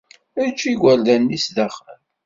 Eǧǧ igerdan-nni sdaxel!